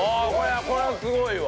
これはすごいわ！